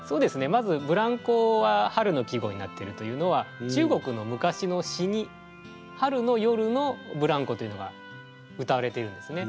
まずぶらんこは春の季語になってるというのは中国の昔の詩に春の夜のぶらんこというのが歌われているんですね。